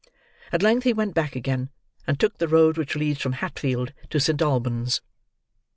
At length he went back again, and took the road which leads from Hatfield to St. Albans.